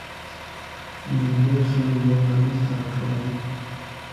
مېلې خلک یو هدف ته راټولوي.